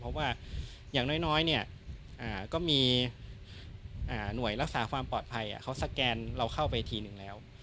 เพราะว่าอย่างน้อยก็มีหน่วยรักษาความปลอดภัยเขาสแกนเราเข้าไปทีนึงแล้ว